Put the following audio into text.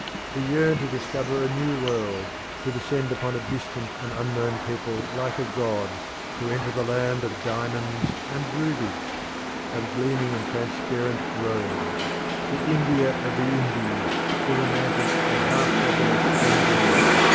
He yearned to discover a new world, to descend upon a distant and unknown people like a god, to enter the land of diamonds and rubies, of gleaming and transparent robes the India of the Indies, the romantic, and half fabulous Bengal.